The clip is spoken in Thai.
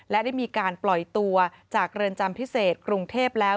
และได้มีการปล่อยตัวจากเรือนจำพิเศษกรุงเทพแล้ว